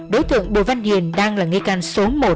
đối tượng bùi văn hiền đang là nghê can số một